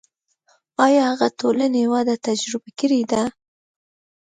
آیا هغه ټولنې وده تجربه کړې ده.